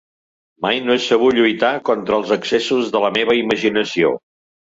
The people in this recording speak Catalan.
Mai no he sabut lluitar contra els excessos de la meva imaginació.